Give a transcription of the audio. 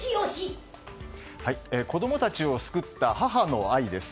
子供たちを救った母の愛です。